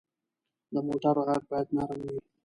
د موټر غږ باید نرم وي.